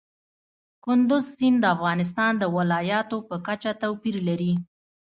کندز سیند د افغانستان د ولایاتو په کچه توپیر لري.